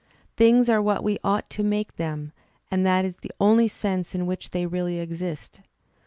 '' Things are what we ought to make them, and ' that is the only sense in which they really exist.